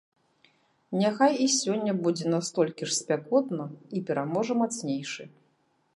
Няхай і сёння будзе настолькі ж спякотна і пераможа мацнейшы.